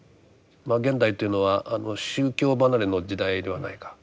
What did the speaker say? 現代というのは宗教離れの時代ではないか。